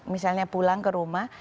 misalnya pulang ke rumah